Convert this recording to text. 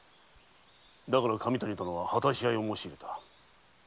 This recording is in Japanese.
だから神谷殿は果たし合いを申し入れた。